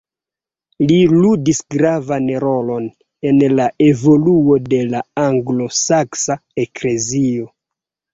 Li ludis gravan rolon en la evoluo de la anglosaksa eklezio.